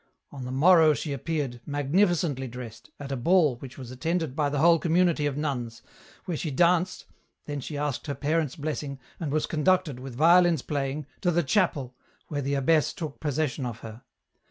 On the morrow she appeared, magnificently dressed, at a ball which was attended by the whole community of nuns, where she danced, then she asked her parents* blessing, and was conducted, with violins playing, to the chapel, where the abbess took possession of her.